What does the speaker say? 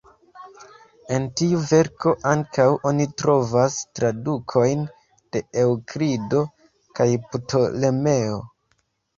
En tiu verko ankaŭ oni trovas tradukojn de Eŭklido kaj Ptolemeo.